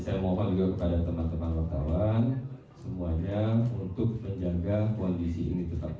saya mohon juga kepada teman teman wartawan semuanya untuk menjaga koalisi ini tetap